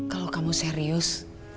kalau kamu serius